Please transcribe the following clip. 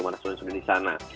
mana sudah di sana